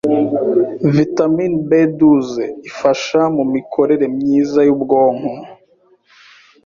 Vitamin B douze ifasha mu mikorere myiza y’ubwonko